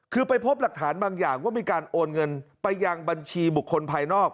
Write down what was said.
คือไปพบหลักฐานบางอย่างว่ามีการโอนเงินไปยังบัญชีบุคคลภายนอก